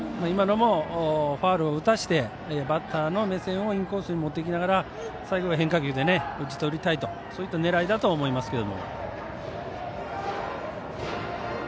今のもファウルを打たせてバッターの目線をインコースに持っていって最後は変化球で打ち取りたいという狙いだと思います。